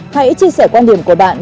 hãy chia sẻ quan điểm của bạn